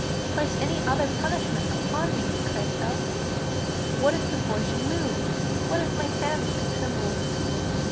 "Place any other punishment upon me!" cried Tell. *'What if the boy should move? What if my hand should tremble?"